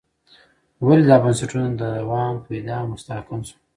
ولې دا بنسټونه دوام پیدا او مستحکم شول.